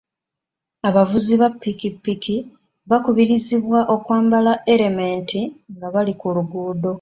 Abavuzi ba piki piki bakubirizibwa okwambala elementi nga bali ku luguudo